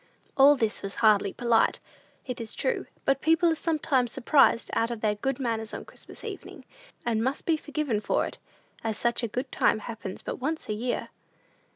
All this was hardly polite, it is true; but people are sometimes surprised out of their good manners on Christmas evenings, and must be forgiven for it, as such a good time happens but once a year.